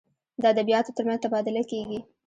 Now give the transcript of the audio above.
د ادبیاتو تر منځ تبادله کیږي.